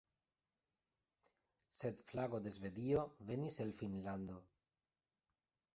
Sed flago de Svedio venis el Finnlando.